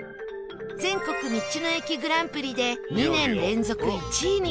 全国道の駅グランプリで２年連続１位に輝き